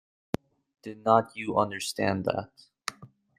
Did not you understand that?